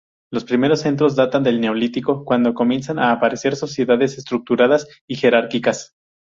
Los primeros cetros datan del Neolítico, cuando comienzan a aparecer sociedades estructuradas y jerarquizadas.